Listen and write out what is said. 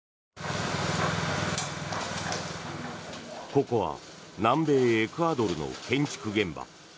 ここは南米エクアドルの建築現場。